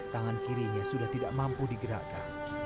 tangan kirinya sudah tidak mampu digerakkan